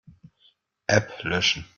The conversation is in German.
App löschen.